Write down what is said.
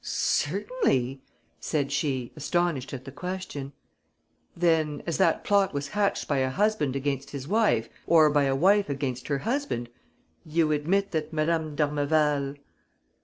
"Certainly," said she, astonished at the question. "Then, as that plot was hatched by a husband against his wife or by a wife against her husband, you admit that Madame d'Ormeval